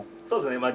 そうですね。